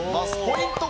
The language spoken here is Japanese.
ポイント